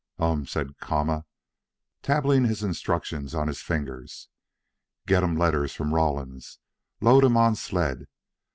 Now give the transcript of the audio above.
"Um," said Kama, tabling his instructions on his fingers. "Get um letters from Rawlins. Load um on sled.